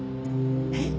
えっ？